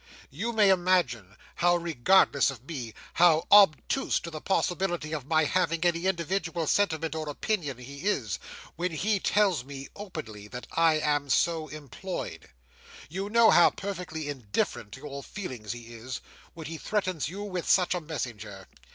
You may imagine how regardless of me, how obtuse to the possibility of my having any individual sentiment or opinion he is, when he tells me, openly, that I am so employed. You know how perfectly indifferent to your feelings he is, when he threatens you with such a messenger.